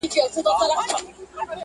د بیان ازادي په کې محدوده شي